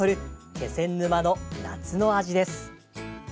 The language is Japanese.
気仙沼の夏の味です。